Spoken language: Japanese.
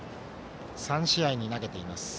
３試合に投げています。